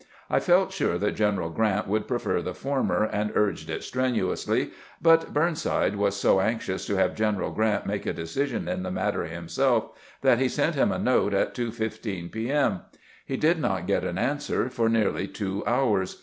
I felt sure that G eneral G rant would prefer the former, and urged it strenuously ; but Burnside was so anxious to have G eneral Grant make a decision in the matter himself that he sent him a note at 2:15 p. M. He did not get an answer for nearly two hours.